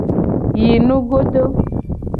Yi nugodo.